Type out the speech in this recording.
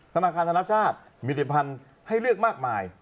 ธนาคารธนชาติมีแต่พันธุ์ให้เลือกมากมาย